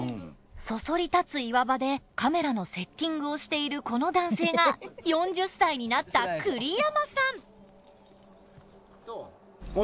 そそり立つ岩場でカメラのセッティングをしているこの男性が４０歳になった栗山さん！